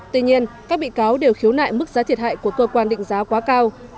tuy nhiên các bị cáo đều khiếu nại mức giá thiệt hại của cơ quan định giá quá cao